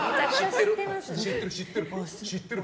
知ってる、知ってる。